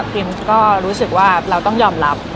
ก็รู้สึกว่าเราต้องยอมรับ